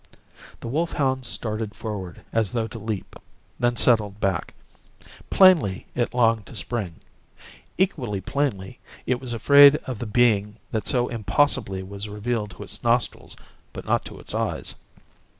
The wolfhound started forward as though to leap, then settled back. Plainly it longed to spring. Equally plainly it was afraid of the being that so impossibly was revealed to its nostrils but not to its eyes.